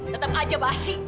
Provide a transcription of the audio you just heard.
tetap aja basi